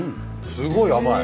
すごい甘い。